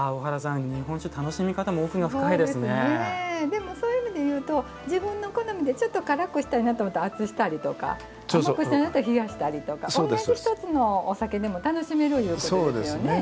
でもそういう意味でいうと自分の好みでちょっと辛くしたいなと思ったら熱うしたりとか甘くしたいんだったら冷やしたりとか同じ一つのお酒でも楽しめるいうことですよね。